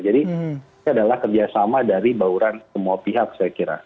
jadi ini adalah kerjasama dari bauran semua pihak saya kira